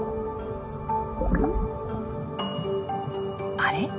あれ？